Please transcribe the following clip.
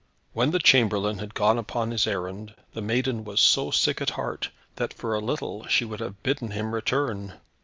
When the chamberlain had gone upon his errand, the maiden was so sick at heart, that for a little she would have bidden him return.